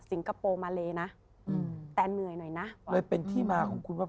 คโปร์มาเลนะอืมแต่เหนื่อยหน่อยนะเลยเป็นที่มาของคุณว่า